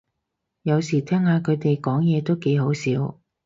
有時聽下佢哋講嘢都幾好笑